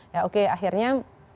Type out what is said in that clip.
ya oke akhirnya